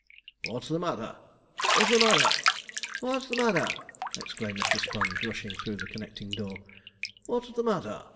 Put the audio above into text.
'What's the matter? what's the matter? what's the matter?' exclaimed Mr. Sponge, rushing through the connecting door. 'What's the matter?'